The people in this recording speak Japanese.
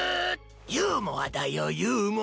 ユーモアだよユーモア。